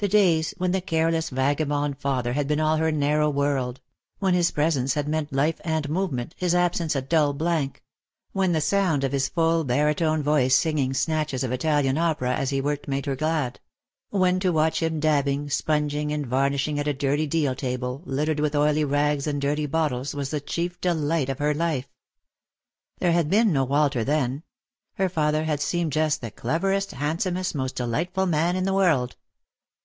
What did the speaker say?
The days when the careless vagabond father had been all her narrow world ; when his presence had meant life and movement, his absence a dull blank ; when the sound of his full baritone voice singing snatches of Italian Opera as he worked made her glad ; when to watch him dabbing, spong ing, and varnishing at a dirty deal table, littered with oily rags and dirty bottles, was the chief delight of her life. There had been no Walter then ; father had seemed just the cleverest, handsomest, most delightful man in the world.